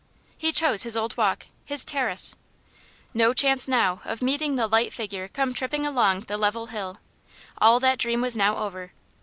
He chose his old walk his "terrace." No chance now of meeting the light figure coming tripping along the level hill. All that dream was now over.